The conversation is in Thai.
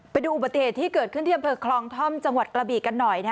ไปดูอุบัติเหตุที่เกิดขึ้นที่อำเภอคลองท่อมจังหวัดกระบีกันหน่อย